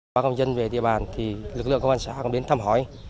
ba công dân về địa bàn thì lực lượng công an xã còn đến thăm hỏi